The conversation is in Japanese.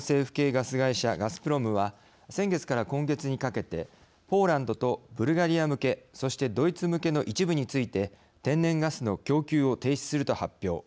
ガスプロムは先月から今月にかけてポーランドとブルガリア向けそしてドイツ向けの一部について天然ガスの供給を停止すると発表。